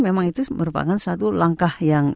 memang itu merupakan langkah yang